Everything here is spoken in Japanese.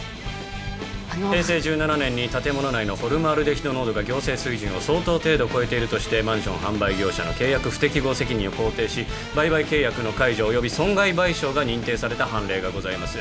あの平成１７年に建物内のホルムアルデヒド濃度が行政水準を相当程度超えているとしてマンション販売業者の契約不適合責任を肯定し売買契約の解除および損害賠償が認定された判例がございます